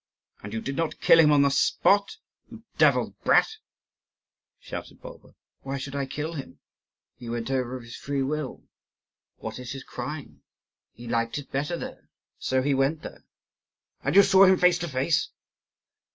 "And you did not kill him on the spot, you devil's brat?" shouted Bulba. "Why should I kill him? He went over of his own free will. What is his crime? He liked it better there, so he went there." "And you saw him face to face?"